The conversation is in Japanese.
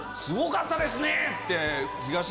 すごかったですね！